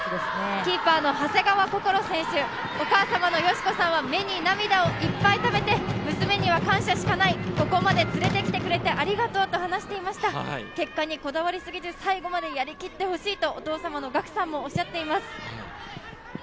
キーパーの長谷川想選手、お母様の佳子さんは目にいっぱい涙をためて娘には感謝しかないここまで連れてきてくれてありがとうとおっしゃっていました結果にこだわりすぎず、最後までやりきってほしいとお父様の学さんもおっしゃっています。